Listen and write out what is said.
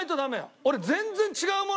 俺全然違うもの